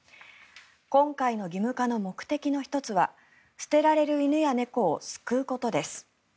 今回の義務化の目的の１つは捨てられる犬や猫を救うことです。